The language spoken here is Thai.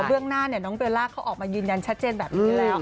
เบลล่าเขาออกมายืนยันชัดเจนแบบนี้แล้ว